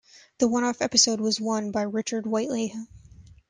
The one-off episode was won by Richard Whiteley.